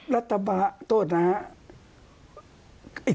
รัฐบาลโทษนะครับ